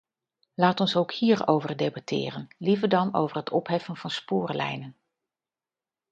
Laat ons ook hierover debatteren, liever dan over het opheffen van spoorlijnen.